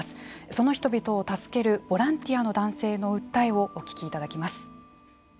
その人々を助けるボランティアの男性の訴えをお聞きいただきます。